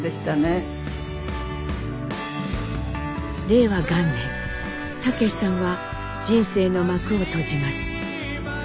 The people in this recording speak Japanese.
令和元年武さんは人生の幕を閉じます。